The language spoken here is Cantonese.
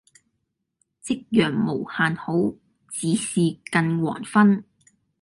夕陽無限好，只是近黃昏。